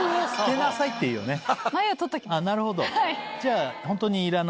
なるほど。